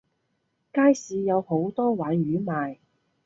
街市有好多鯇魚賣